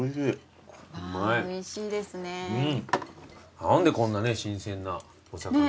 何でこんなね新鮮なお魚が。